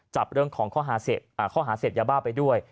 จับเรื่องของข้อหาเสพยาบ้าไปด้วย